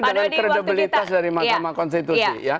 dengan kredibilitas dari mahkamah konstitusi